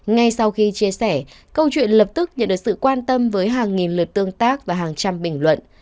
ngay sau khi chia sẻ câu chuyện lập tức nhận được sự quan tâm với hàng nghìn lượt tương tác và hàng trăm bình luận